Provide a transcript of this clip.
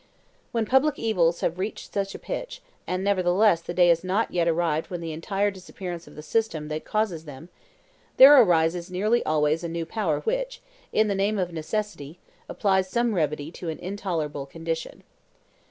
When public evils have reached such a pitch, and nevertheless the day has not yet arrived for the entire disappearance of the system that causes them, there arises nearly always a new power which, in the name of necessity, applies some remedy to an intolerable condition.